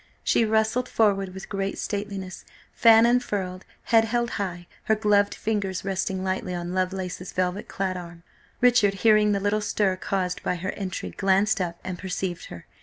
She rustled forward with great stateliness, fan unfurled, head held high, her gloved fingers resting lightly on Lovelace's velvet clad arm. Richard, hearing the little stir caused by her entry, glanced up, and perceived her.